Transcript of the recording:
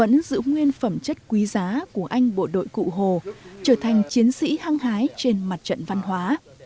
trịnh thanh phong vẫn giữ nguyên phẩm chất quý giá của anh bộ đội cụ hồ trở thành chiến sĩ hăng hái trên mặt trận văn hóa